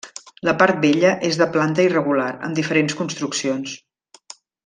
La part vella és de planta irregular amb diferents construccions.